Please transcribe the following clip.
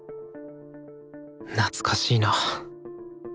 懐かしいな。